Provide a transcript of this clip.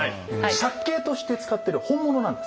借景として使ってる本物なんです。